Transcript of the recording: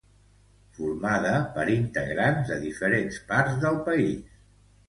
Formada per integrants de diferents parts del país.